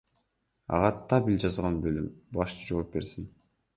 Ага табель жазган бөлүм башчы жооп берсин.